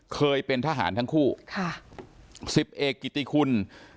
เคยเป็นทหารทั้งคู่๑๑กิติคุณ